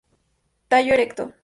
Tallo erecto.